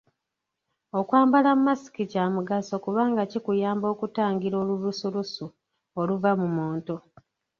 Okwambala masiki kya mugaso kubanga kikuyamba okutangira olulusulusu oluva mu muntu.